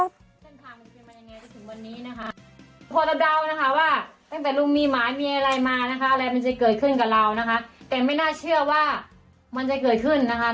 แต่ลุงก็คิดว่าประชาชนตามดำนะคะแล้วเราไม่เป็นห่วงไรหรอกค่ะทุกคนนะคะ